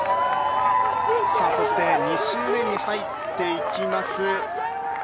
そして２周目に入っていきます。